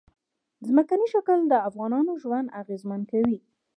ځمکنی شکل د افغانانو ژوند اغېزمن کوي.